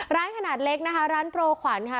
ร้านขนาดเล็กนะคะร้านโปรขวัญค่ะ